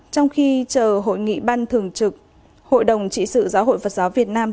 trong khi chờ hội nghị ban thường trực hội đồng trị sự giáo hội phật giáo việt nam